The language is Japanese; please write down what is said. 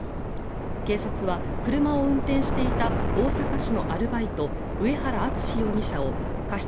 警察は車を運転していた大阪市のアルバイト植原惇容疑者を過失